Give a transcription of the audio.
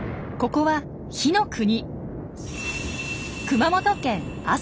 ここは火の国。